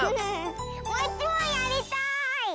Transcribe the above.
もういちもんやりたい！